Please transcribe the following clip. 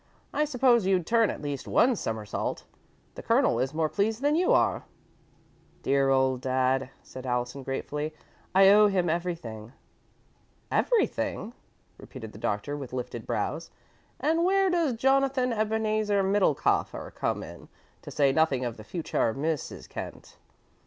"I supposed you'd turn at least one somersault. The Colonel is more pleased than you are." "Dear old dad," said Allison, gratefully. "I owe him everything." "Everything?" repeated the Doctor, with lifted brows. "And where does Jonathan Ebenezer Middlekauffer come in, to say nothing of the future Mrs. Kent?"